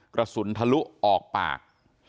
กระสุนทะลุออกปาก